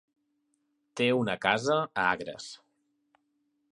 Té una casa a Agres.